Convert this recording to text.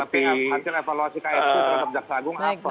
hasil evaluasi ksp terhadap jaksa agung apa